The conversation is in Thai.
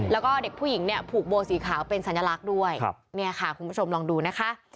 แล้วก็เด็กผู้หญิงเนี่ยผูกโบสีขาวเป็นสัญลักษณ์ด้วยเนี่ยค่ะคุณผู้ชมลองดูนะคะ